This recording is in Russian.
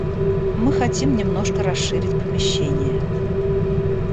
Мы хотим немножко расширить помещение